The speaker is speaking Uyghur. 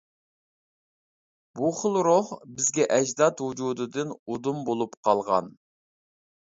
بۇ خىل روھ بىزگە ئەجداد ۋۇجۇدىدىن ئۇدۇم بولۇپ قالغان.